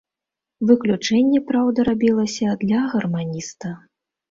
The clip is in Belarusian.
Выключэнне, праўда, рабілася для гарманіста.